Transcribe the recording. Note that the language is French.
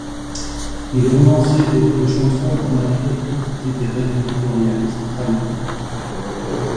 Il est romancier, auteur de chansons, dramaturge, critique littéraire, éditorialiste, traducteur.